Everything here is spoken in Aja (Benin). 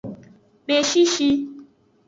Beshishi.